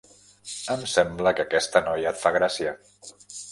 Em sembla que aquesta noia et fa gràcia.